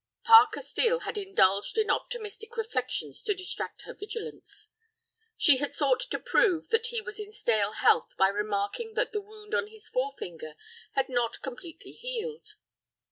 Parker Steel had indulged in optimistic reflections to distract her vigilance. She had sought to prove that he was in stale health by remarking that the wound on his forefinger had not completely healed.